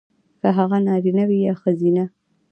کـه هغـه نـاريـنه وي يـا ښـځيـنه .